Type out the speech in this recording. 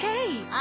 あ？